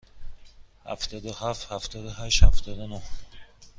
هفتاد و هفت، هفتاد و هشت، هفتاد و نه.